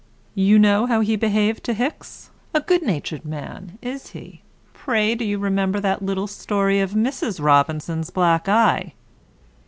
You know how he behaved to Hicks? A good natured man, is he? Pray do you remember that little story of Mrs. Robinson's black eye?